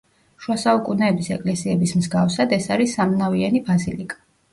შუა საუკუნეების ეკლესიების მსგავსად, ეს არის სამნავიანი ბაზილიკა.